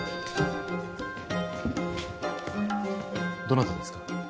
どなたですか？